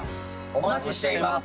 お待ちしています！